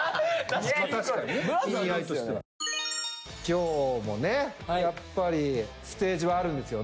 今日もねやっぱりステージはあるんですよね？